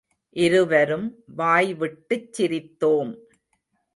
இருவரும் வாய்விட்டுச் சிரித்தோம்.